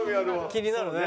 気になるね。